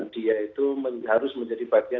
dia itu harus menjadi bagian